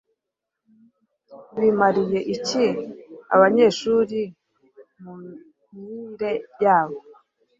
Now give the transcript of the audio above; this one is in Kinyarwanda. bimariye iki abanyeshuri mumyire yabo